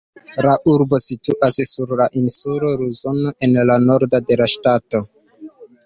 La urbo situas sur la insulo Luzono, en la nordo de la ŝtato.